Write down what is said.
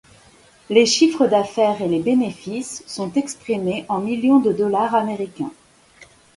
Les chiffres d'affaires et les bénéfices sont exprimés en millions de dollars américains.